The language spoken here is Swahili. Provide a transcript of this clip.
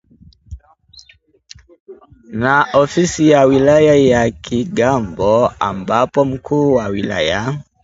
na ofisi ya wilaya ya Kigambo ambapo mkuu wa wilaya